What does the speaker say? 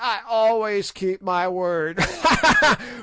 I always keep my word—_ha! ha! ha!